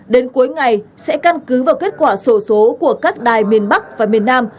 đến cuối ngày sẽ căn cứ vào kết quả sổ số của các đài miền bắc và miền nam